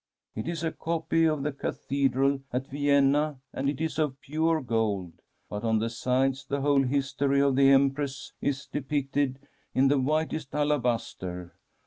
It is a copy of the cathedral at Vienna, and it is of pure gold ; but on the sides the whole history of the Empress is depicted in the whitest alabaster.